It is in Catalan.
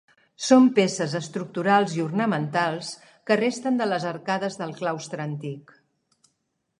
Són peces estructurals i ornamentals que resten de les arcades del claustre antic.